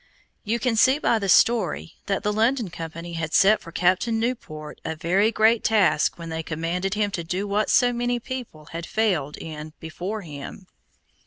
You can see by the story, that the London Company had set for Captain Newport a very great task when they commanded him to do what so many people had failed in before him.